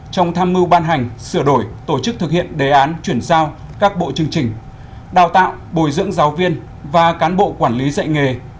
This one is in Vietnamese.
bốn trong tham mưu ban hành sửa đổi tổ chức thực hiện đề án chuyển giao các bộ chương trình đào tạo bồi dưỡng giáo viên và cán bộ quản lý dạy nghề